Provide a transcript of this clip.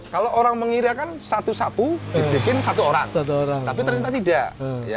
kalau orang mengirakan satu sapu dibikin satu orang tapi ternyata tidak